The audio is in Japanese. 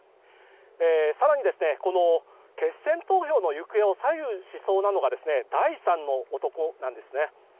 更に、決選投票の行方を左右しそうなのが第３の男なんですね。